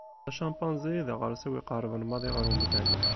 D acampanzi i d aɣersiw iqerben maḍi ɣer umdan.